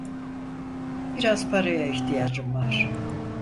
Biraz paraya ihtiyacım var.